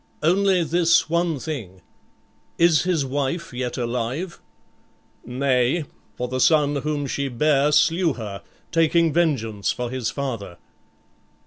"Only this one thing. Is his wife yet alive?" "Nay; for the son whom she bare slew her, taking vengeance for his father."